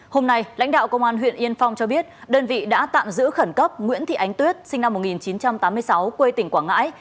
hôm nay lãnh đạo công an huyện yên phong cho biết đơn vị đã tạm giữ khẩn cấp nguyễn thị ánh tuyết sinh năm một nghìn chín trăm tám mươi sáu quê tỉnh quảng ngãi